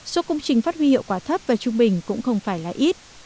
số công trình phát huy hiệu quả thấp và trung bình cũng không phải là ít